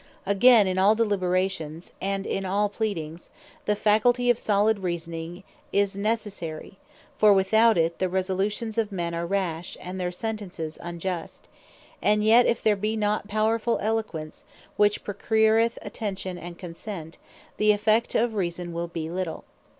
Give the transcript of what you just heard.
Again, in all Deliberations, and in all Pleadings, the faculty of solid Reasoning, is necessary: for without it, the Resolutions of men are rash, and their Sentences unjust: and yet if there be not powerfull Eloquence, which procureth attention and Consent, the effect of Reason will be little.